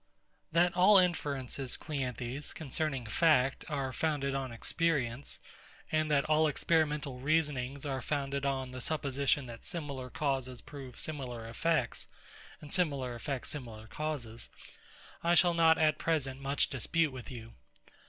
That all inferences, CLEANTHES, concerning fact, are founded on experience; and that all experimental reasonings are founded on the supposition that similar causes prove similar effects, and similar effects similar causes; I shall not at present much dispute with you.